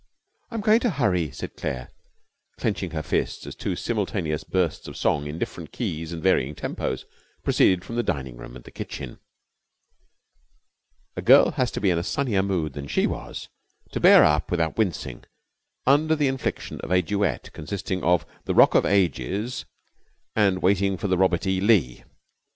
'I'm going to hurry,' said Claire, clenching her fists as two simultaneous bursts of song, in different keys and varying tempos, proceeded from the dining room and kitchen. A girl has to be in a sunnier mood than she was to bear up without wincing under the infliction of a duet consisting of the Rock of Ages and Waiting for the Robert E. Lee.